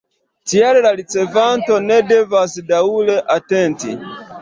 Tial la ricevanto ne devas daŭre atenti.